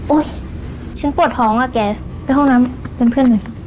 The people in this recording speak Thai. ฉันปวดท้องอะแกไปห้องน้ำเป็นเพื่อนเลย